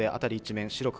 面白く